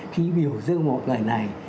khi biểu dư một người này